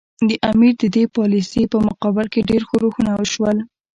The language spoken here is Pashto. د امیر د دې پالیسي په مقابل کې ډېر ښورښونه وشول.